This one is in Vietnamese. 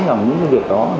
là những cái việc đó